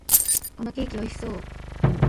このケーキ、美味しそう！